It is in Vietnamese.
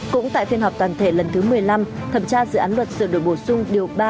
cũng tại phiên họp toàn thể lần thứ một mươi năm thẩm tra dự án luật sửa đổi bổ sung điều ba